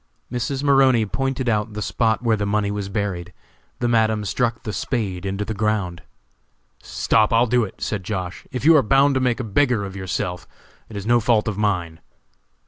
Mrs. Maroney pointed out the spot where the money was buried. The Madam struck the spade into the ground. "Stop, I'll do it!" said Josh.; "if you are bound to make a beggar of yourself it is no fault of mine."